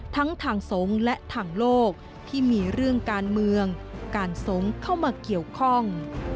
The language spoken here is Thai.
ทั้งทางสงฆ์และทางโลกที่มีเรื่องการเมืองการสงฆ์เข้ามาเกี่ยวข้อง